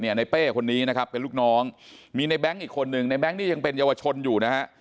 ในเป้คนนี้นะครับเป็นลูกน้องมีในแบงค์อีกคนนึงในแง๊งนี่ยังเป็นเยาวชนอยู่นะฮะ